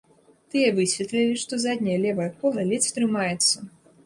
Тыя высветлілі, што задняе левае кола ледзь трымаецца.